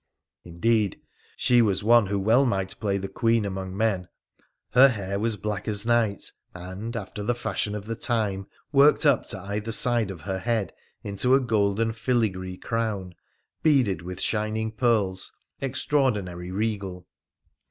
Indeed, she was one who well might play the Queen among men. Her hair was black as night, and, after the fashion of the time, worked up to either side of her head into a golden filigree crown, beaded with shining pearls, extraordinary regal.